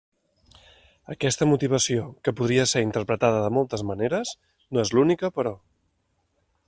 Aquesta motivació, que podria ser interpretada de moltes maneres, no és l'única, però.